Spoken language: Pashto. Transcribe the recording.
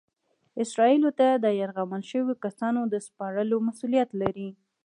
اسرائیلو ته د یرغمل شویو کسانو د سپارلو مسؤلیت لري.